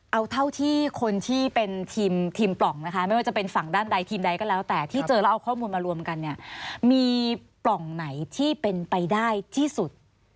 เอาเท่าที่คนที่เป็นทีมปล่องนะคะไม่ว่าจะเป็นฝั่งด้านใดทีมใดก็แล้วแต่ที่เจอแล้วเอาข้อมูลมารวมกันเนี่ยมีปล่องไหนที่เป็นไปได้ที่สุด